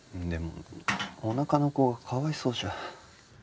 でもおなかの子がかわいそうじゃ。